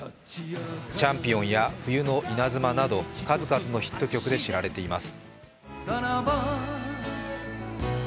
「チャンピオン」や「冬の稲妻」など数々のヒット曲で知られています。